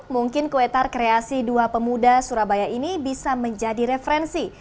mungkin kue tar kreasi dua pemuda surabaya ini bisa menjadi referensi